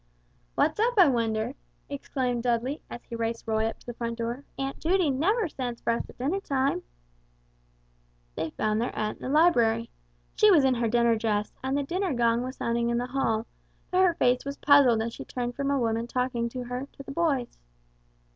"What's up, I wonder!" exclaimed Dudley, as he raced Roy up to the front door; "Aunt Judy never sends for us at dinner time." They found their aunt in the library. She was in her dinner dress and the dinner gong was sounding in the hall, but her face was puzzled as she turned from a woman talking to her, to the boys.